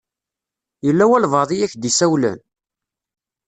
Yella walebɛaḍ i ak-d-isawlen?